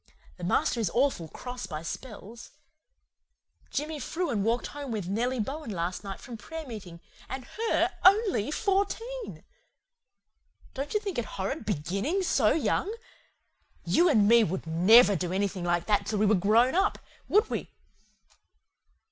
The master is awful cross by spells. Jimmy Frewen walked home with Nellie Bowan last night from prayer meeting and HER ONLY FOURTEEN. Don't you think it horrid BEGINNING SO YOUNG? YOU AND ME would NEVER do anything like that till we were GROWN UP, would we?